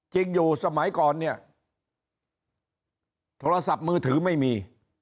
จริงอยู่สมัยก่อนเนี่ยโทรศัพท์มือถือไม่มี